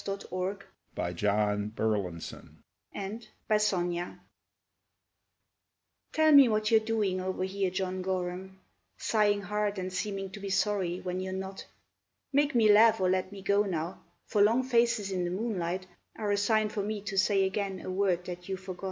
John Gorham "Tell me what you're doing over here, John Gorham, Sighing hard and seeming to be sorry when you're not; Make me laugh or let me go now, for long faces in the moonlight Are a sign for me to say again a word that you forgot."